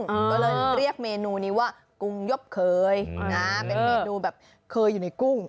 ก็เลยเรียกเมนูนี้ว่ากุ้งยบเคยนะเป็นเมนูแบบเคยอยู่ในกุ้ง